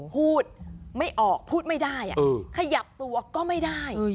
พูดไม่ออกพูดไม่ได้ขยับตัวก็ไม่ได้